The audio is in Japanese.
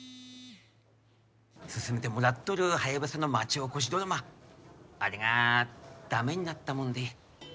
進めてもらっとるハヤブサの町おこしドラマあれが駄目になったもんで。